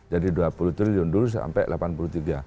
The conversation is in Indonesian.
jadi dua puluh triliun dulu sampai delapan puluh tiga